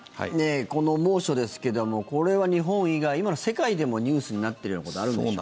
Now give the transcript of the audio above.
この猛暑ですけどもこれは日本以外今の世界でもニュースになってるようなことあるんでしょうか。